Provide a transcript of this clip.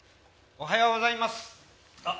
おはようございます。